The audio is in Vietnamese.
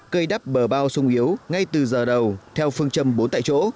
cây đắp bờ bao sung yếu ngay từ giờ đầu theo phương châm bốn tại chỗ